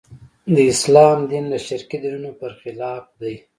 د اسلام دین د شرقي دینونو برخلاف دی.